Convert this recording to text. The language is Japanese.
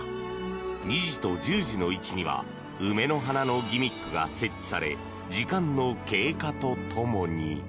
２時と１０時の位置には梅の花のギミックが設置され時間の経過とともに。